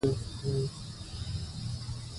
که بم نه وای، نو کلک به وای.